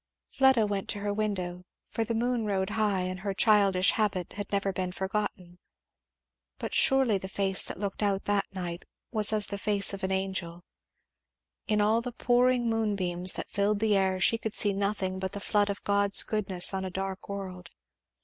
Fleda went to her window, for the moon rode high and her childish habit had never been forgotten. But surely the face that looked out that night was as the face of an angel. In all the pouring moonbeams that filled the air, she could see nothing but the flood of God's goodness on a dark world.